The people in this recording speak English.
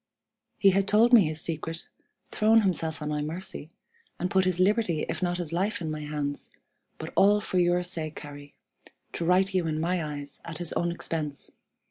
"He had told me his secret, thrown himself on my mercy, and put his liberty if not his life in my hands, but all for your sake, Harry, to right you in my eyes at his own expense.